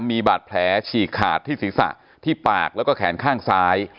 มีบาดแผลฉีกขาดที่ศีรษะที่ปากแล้วก็แขนข้างซ้าย